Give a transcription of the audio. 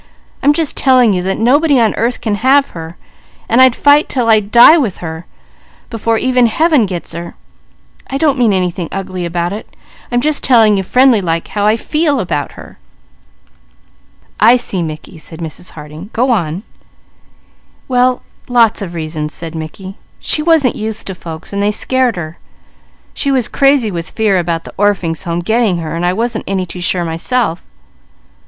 "I'm just telling you that nobody on earth can have her, and I'd fight 'til I'd die with her, before even Heaven gets her. I don't mean anything ugly about it. I'm just telling you friendly like, how I feel about her." "I see Mickey," said Mrs. Harding. "Go on!" "Well, lots of reasons," said Mickey. "She wasn't used to folks, so they scared her. She was crazy with fear about the Orphings' Home getting her, while I wasn't any too sure myself.